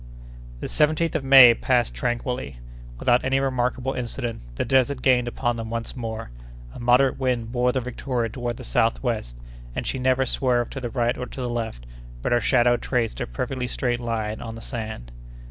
The 17th of May passed tranquilly, without any remarkable incident; the desert gained upon them once more; a moderate wind bore the Victoria toward the southwest, and she never swerved to the right or to the left, but her shadow traced a perfectly straight line on the sand.